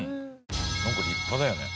なんか立派だよね。